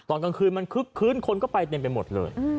ตอนกลางคืนมันคึกคื้นคนก็ไปเต็มไปหมดเลย